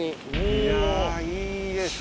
いやいいですね。